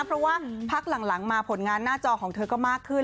เพราะว่าพักหลังมาผลงานหน้าจอของเธอก็มากขึ้น